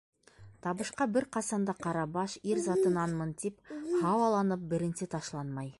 Табышҡа бер ҡасан да Ҡарабаш, ир затынанмын тип һауаланып, беренсе ташланмай...